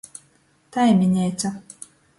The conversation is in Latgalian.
Taimineica.